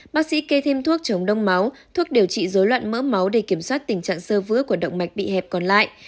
bác sĩ kê thêm thuốc chống đông máu thuốc điều trị dối loạn mỡ máu để kiểm soát tình trạng sơ vữa của động mạch bị hẹp còn lại